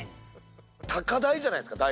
高台じゃないですか。